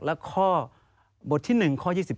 และข้อบทที่๑ข้อ๒๑